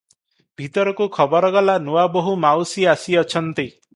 ଭିତରକୁ ଖବର ଗଲା, ନୂଆବୋହୂ ମାଉସୀ ଆସିଅଛନ୍ତି ।